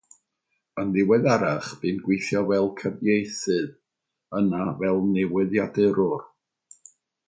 Yn ddiweddarach bu'n gweithio fel cyfieithydd, yna fel newyddiadurwr.